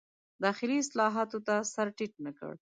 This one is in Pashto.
داخلي اصلاحاتو ته سر ټیټ نه کړ.